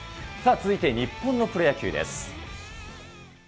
続いて日本のプロ野球です。